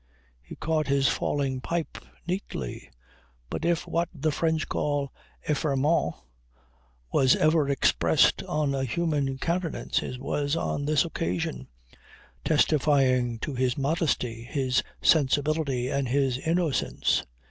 He caught his falling pipe neatly. But if what the French call effarement was ever expressed on a human countenance it was on this occasion, testifying to his modesty, his sensibility and his innocence.